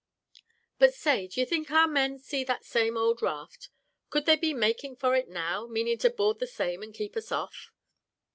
"But say, d'ye think our men see that same old raft? Could they be making for it, now, meanin' to board the same, and keep us off?"